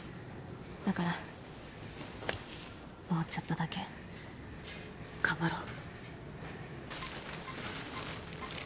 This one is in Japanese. だからもうちょっとだけ頑張ろう。